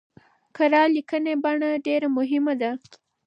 کره ليکنۍ بڼه ډېره مهمه ده.